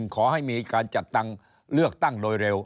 ขอให้มีการจัดตังค์เลือกตั้งโดยเร็ว